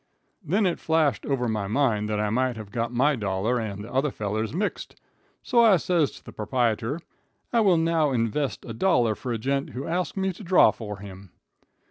"Then it flashed over my mind that I might have got my dollar and the other feller's mixed, so I says to the proprietor, 'I will now invest a dollar for a gent who asked me to draw for him.'